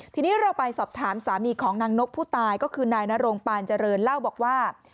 ทีนี้เราไปสอบถามสามีของนางนกผู้ตายก็คือนายนรงปานเจริญเล่าบอกว่า